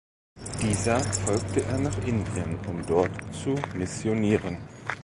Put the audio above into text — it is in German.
Dieser folgte er nach Indien, um dort zu missionieren.